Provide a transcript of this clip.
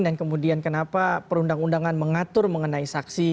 kemudian kenapa perundang undangan mengatur mengenai saksi